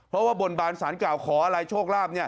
เพราะว่าบนบานสารกล่าวขออะไรโชคลาภ